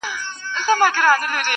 یو بوډا چي وو څښتن د کړوسیانو،